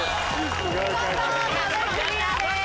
見事壁クリアです。